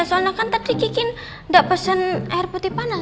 soalnya kan tadi kiki gak pesen air putih panas